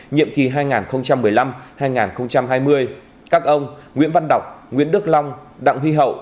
nhiệm kỳ hai nghìn một mươi năm hai nghìn hai mươi các ông nguyễn văn đọc nguyễn đức long đặng huy hậu